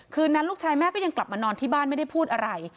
นั้นลูกชายแม่ก็ยังกลับมานอนที่บ้านไม่ได้พูดอะไร